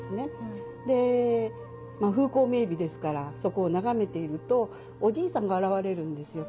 で風光明美ですからそこを眺めているとおじいさんが現れるんですよ。